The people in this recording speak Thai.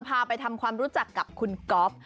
พาไปทำความรู้จักกับคุณก๊อฟ